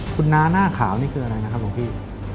คุณน้าหน้าขาวนี่คืออะไรนะครับหลวงพี่